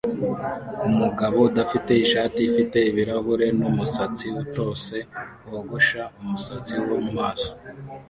Umugabo udafite ishati ufite ibirahure n'umusatsi utose wogosha umusatsi wo mumaso